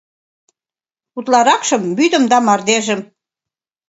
Утларакшым вӱдым да мардежым.